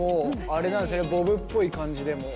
ボブっぽい感じでも。